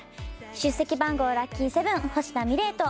出席番号ラッキー７星名美怜と。